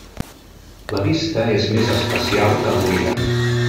La vista és més espacial que l'oïda.